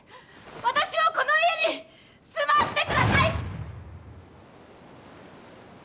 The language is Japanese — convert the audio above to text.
私をこの家に住まわせてください！